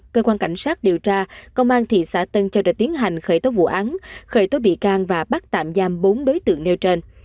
cơ quan cảnh sát điều tra công an thị xã tân châu đã tiến hành khởi tố vụ án khởi tố bị can và bắt tạm giam bốn đối tượng nêu trên